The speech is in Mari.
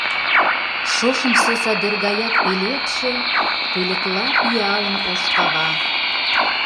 Шошымсо садер гаяк пеледше пӧлекла пиалым ош кава.